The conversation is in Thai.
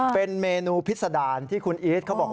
เป็นเมนูพิษดารที่คุณอีทเขาบอก